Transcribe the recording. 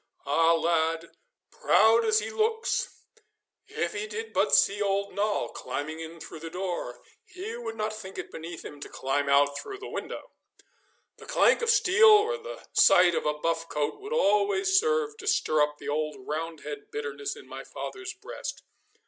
Ah, lad, proud as he looks, if he did but see old Noll coming in through the door he would not think it beneath him to climb out through the window!' The clank of steel or the sight of a buff coat would always serve to stir up the old Roundhead bitterness in my father's breast.